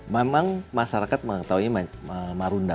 memang masyarakat mengetahui marunda